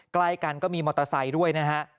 ใกล้กันก็มีมอเตอร์ไซค์ด้วยนะฮะ